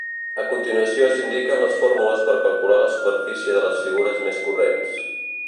A continuació s'indiquen les fórmules per calcular la superfície de les figures més corrents.